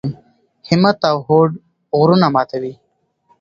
همت او هوډ غرونه ماتوي.